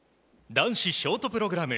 男子ショートプログラム。